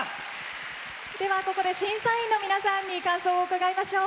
ここで審査員の皆さんに感想を伺いましょう。